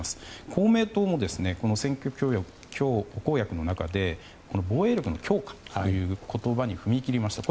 公明党の選挙公約の中で防衛力の強化という言葉に踏み切りました。